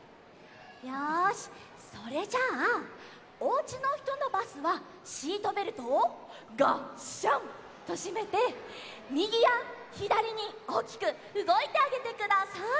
よしそれじゃあおうちのひとのバスはシートベルトをガッシャンとしめてみぎやひだりにおおきくうごいてあげてください。